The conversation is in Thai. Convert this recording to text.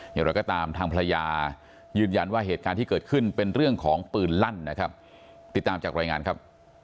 อย่างไรก็ตามทางภรรยายืนยันว่าเหตุการณ์ที่เกิดขึ้นเป็นเรื่องของปืนลั่นนะครับติดตามจากรายงานครับ